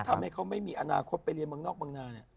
ทำให้เขาไม่มีอนาคตไปเรียนเมืองนอกเมืองนาเนี่ย